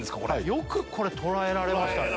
よくこれ捉えられましたね。